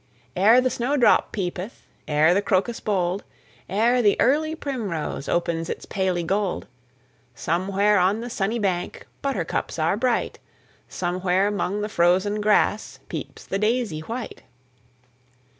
Ere the snowdrop peepeth, Ere the crocus bold, Ere the early primrose Opes its paly gold, Somewhere on the sunny bank Buttercups are bright; Somewhere 'mong the frozen grass Peeps the daisy white.